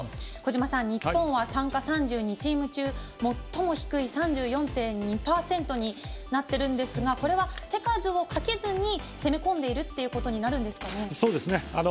日本は参加３２チーム中最も低い３４．２％なんですがこれは手数をかけずに攻め込んでいるということになるんですか？